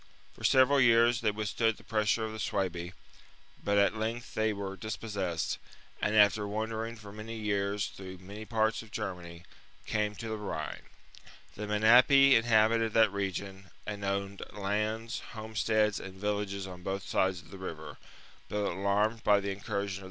For several years byfheSuebi, thcy withstood the pressure of the Suebi ; but at country of.. Icugth thcy werc dispossessed, and, after wander enapu. j^^ ^^^ thrcc ycars through many parts of Ger many, came to the Rhine. The Menapii inhabited that region, and owned lands, homesteads, and villages on both banks of the river ; but alarmed by the incursion of.